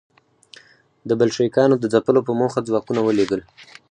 د بلشویکانو د ځپلو په موخه ځواکونه ولېږل.